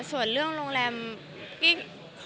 ก็บอกว่าเซอร์ไพรส์ไปค่ะ